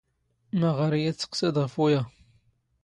ⵎⴰⵖ ⴰⵔ ⵉⵢⵉ ⵜⵙⴰⵇⵙⴰⴷ ⵖⴼ ⵓⵢⴰ?